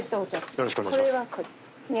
よろしくお願いします。